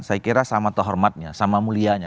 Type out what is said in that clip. saya kira sama atau hormatnya sama mulianya